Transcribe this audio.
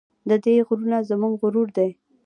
د دې غرونه زموږ غرور دی؟